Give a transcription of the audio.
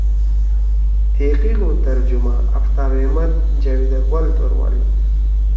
تحقیق و ترجمہ: آفتاب احمد، جاوید اقبال توروالی